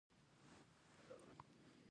زمرد د افغانانو د معیشت سرچینه ده.